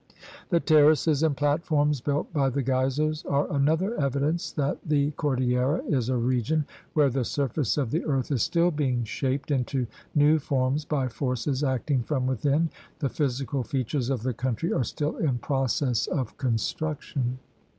The terraces and platforms built by the geysers are another evidence that the cordillera is a region where the surface of the earth is still being shaped into new forms by forces acting from within. The physical features of the country are still in process of construction.